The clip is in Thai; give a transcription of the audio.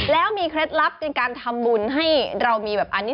แล้วมีเคล็ดรับเป็นการทำบุญครับ